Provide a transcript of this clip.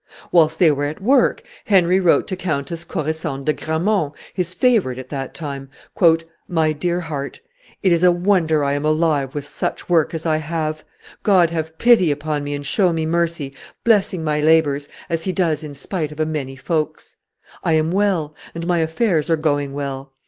Whilst they were at work, Henry wrote to Countess Corisande de Gramont, his favorite at that time, "My dear heart, it is a wonder I am alive with such work as I have. God have pity upon me and show me mercy, blessing my labors, as He does in spite of a many folks! I am well, and my affairs are going well.